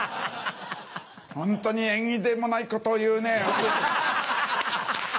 ホントに縁起でもないことを言うね。